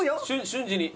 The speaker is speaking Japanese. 瞬時に。